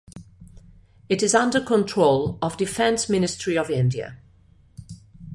It is under control of Defence Ministry of India.